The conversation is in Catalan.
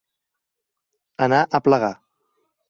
Anar a plegar.